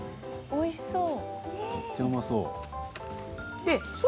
おいしそう。